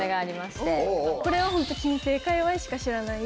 これはホント金星界隈しか知らない。